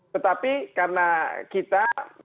tetapi karena kita